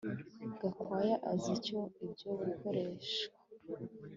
Gakwaya azi icyo ibyo bikoreshwa